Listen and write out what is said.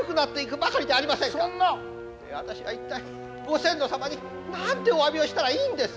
私は一体ご先祖様に何ておわびをしたらいいんです。